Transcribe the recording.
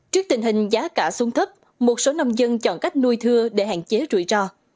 trước tình hình giá cả xuống thấp một số nông dân chọn cách nuôi thưa để hạn chế rủi ro